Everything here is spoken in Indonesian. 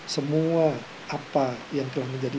semua apa yang telah menjadi